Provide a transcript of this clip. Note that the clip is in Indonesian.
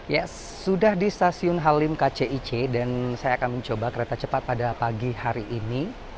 ya sudah di stasiun halim kcic dan saya akan mencoba kereta cepat pada pagi hari ini